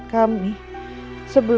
tidak ada lagi masalah